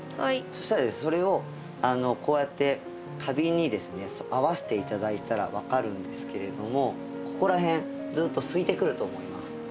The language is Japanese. そしたらそれをこうやって花瓶にですね合わせて頂いたら分かるんですけれどもここら辺ずっとすいてくると思います。